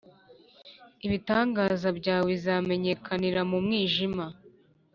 Ibitangaza byawe bizamenyekanira mu mwijima